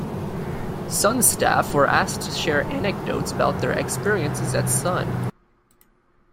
Sun's staff were asked to share anecdotes about their experiences at Sun.